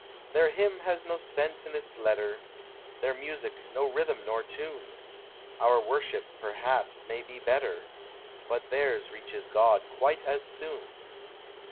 Their hvnin has no sense in its letter, ft 7 Their music no rhythm nor tune: Our worship, perhaps, may be better, Hut theirs reaches Clod quite as soon.